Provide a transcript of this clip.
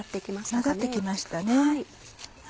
混ざって来ましたね。